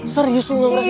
serius lo gak ngerasa